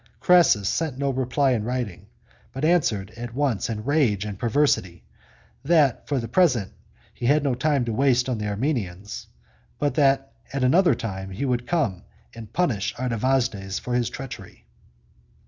Crassus sent no reply in writing, but answered at once in rage and perversity that for the present he had no time to waste on the Armenians, but that at another time he would come and punish Artavasdes for his treachery.